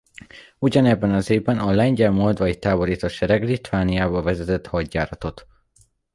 Ugyanebben az évben a lengyel-moldvai-táborita sereg Litvániába vezetett hadjáratot.